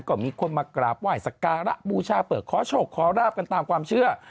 ก็มีคนมากราบไหว้สักการะบูชาเปิดขอโชคขอราบกันตามความเชื่อ